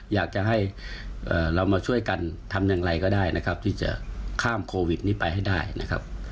อยากจะให้เรามาช่วยกันทำอย่างไรก็ได้นะครับที่จะข้ามโควิดนี้ไปให้ได้นะครับ